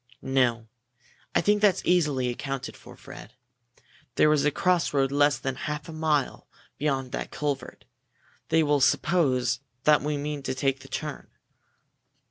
"No. I think that's easily accounted for, Fred. There is a crossroad less than half a mile beyond that culvert. They will suppose that we mean to take the turn.